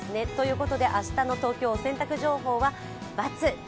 明日の東京、洗濯情報は×。